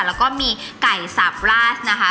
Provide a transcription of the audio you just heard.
แล้วก็มีไก่สับลาดนะคะ